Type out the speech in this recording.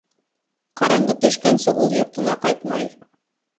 Ҡараңғы төшкәнсе ул йортона ҡайтмай.